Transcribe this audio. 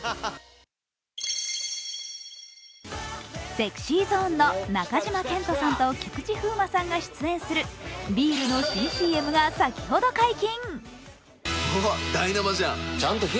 ＳｅｘｙＺｏｎｅの中島健人さんと菊池風磨さんが出演するビールの新ＣＭが先ほど解禁。